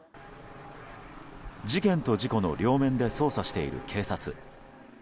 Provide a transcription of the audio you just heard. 事件と事故の両面で捜査している警察。